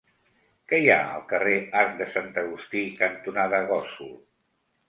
Què hi ha al carrer Arc de Sant Agustí cantonada Gósol?